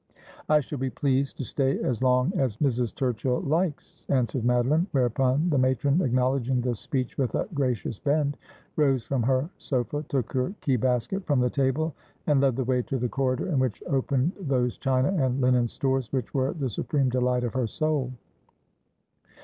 ' I shall be pleased to stay as long as Mrs. Turchill likes,' answered Madoline ; whereupon the matron, acknowledging this speech with a gracious bend, rose from her sofa, took her key 250 Asphodel. basket from the table, and led the way to the corridor in which opened those china and linen stores which were the supreme delight of her soul.